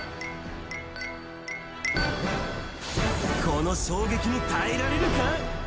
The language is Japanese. この衝撃に耐えられるか？